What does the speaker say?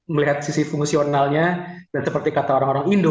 melihat sisi fungsionalnya dan seperti kata orang orang indo